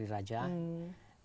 ini adalah tempat pembeli raja